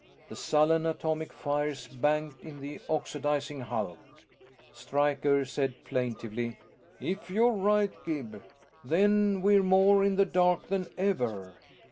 The sullen atomic fires banked in that oxidizing hulk Stryker said plaintively, "If you're right, Gib, then we're more in the dark than ever.